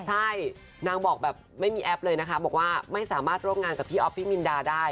ใช่นางบอกแบบไม่มีแอปเลยนะคะบอกว่าไม่สามารถร่วมงานกับพี่อ๊อฟฟิมินดาได้